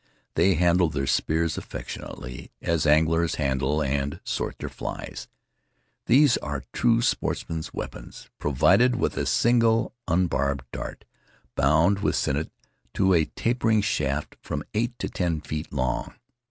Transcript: They handle their spears affectionately, as anglers handle and sort their flies. These are true sportsman's weapons, pro vided with a single unbarbed dart, bound with sinnet to a tapering shaft from eight to ten feet long.